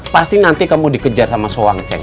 pasti nanti kamu dikejar sama soang ceng